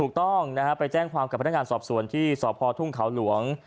ถูกต้องนะฮะไปแจ้งความกับพนักงานสอบสวนที่สพทุ่งเขาหลวง